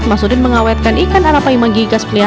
masudin mengawetkan ikan arapaima